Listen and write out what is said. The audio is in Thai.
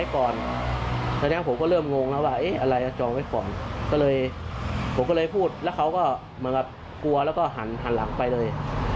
ก็เลยผมก็เลยพูดแล้วเขาก็เหมือนกับกลัวแล้วก็หันหลังไปเลย